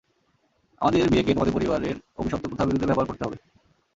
আমাদের বিয়েকে তোমাদের পরিবারের অভিশপ্ত প্রথার বিরুদ্ধে ব্যবহার করতে হবে।